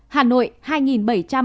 hà nội hai bảy trăm hai mươi ba ca